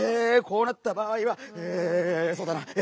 こうなったばあいはえそうだなぁ。